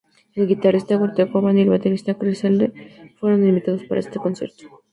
El guitarrista Guthrie Govan y el baterista Chris Slade fueron invitados para este concierto.